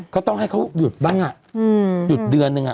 เข้าต้องให้เขาหยุดบ้างอ่ะหยุดเดือนนึงอ่ะ